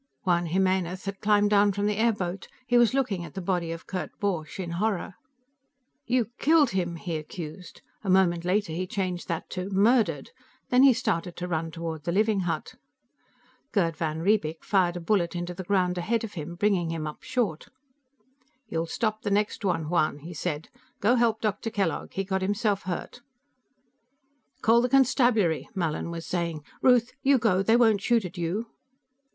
Juan Jimenez had climbed down from the airboat; he was looking at the body of Kurt Borch in horror. "You killed him!" he accused. A moment later, he changed that to "murdered." Then he started to run toward the living hut. Gerd van Riebeek fired a bullet into the ground ahead of him, bringing him up short. "You'll stop the next one, Juan," he said. "Go help Dr. Kellogg; he got himself hurt." "Call the constabulary," Mallin was saying. "Ruth, you go; they won't shoot at you."